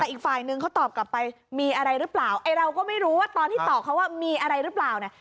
แต่อีกฝ่ายนึงเขาตอบกลับไปมีอะไรหรือเปล่าไอ้เราก็ไม่รู้ว่าตอนที่ตอบเขาว่ามีอะไรหรือเปล่าเนี่ย